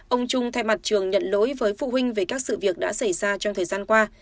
ông trung thay mặt trường nhận lỗi với phụ huynh về các sự việc đã xảy ra trong thời gian qua